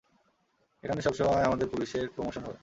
এখানে সবসময় আমাদের পুলিশের প্রোমোশন হয়।